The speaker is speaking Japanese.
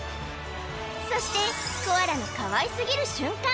そしてコアラのかわいすぎる瞬間